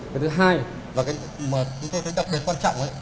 cái thứ hai mà chúng tôi thấy đặc biệt quan trọng